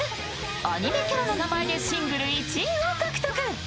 アニメキャラの名前でシングル１位を獲得。